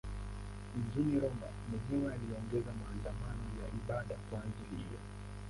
Mjini Roma mwenyewe aliongoza maandamano ya ibada kwa ajili hiyo.